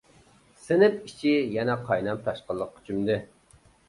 سىنىپ ئىچى يەنە قاينام-تاشقىنلىققا چۆمدى.